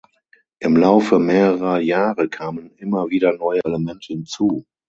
Im Laufe mehrerer Jahre kamen immer wieder neue Elemente hinzu.